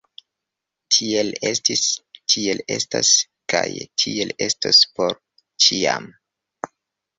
Tiel estis, tiel estas kaj tiel estos por ĉiam!